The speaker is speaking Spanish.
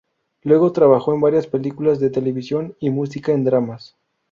Luego trabajó en varias películas de televisión y música en dramas.